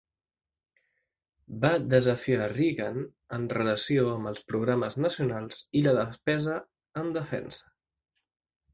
Va desafiar Reagan en relació amb els programes nacionals i la despesa en defensa.